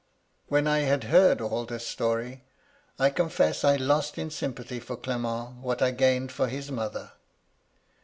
" When I had heard all this story, I confess I lost in sympathy for Clement what I gained for his mother.